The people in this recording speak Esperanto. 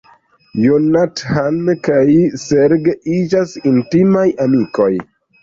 Jonathan kaj Serge iĝas intimaj amikoj.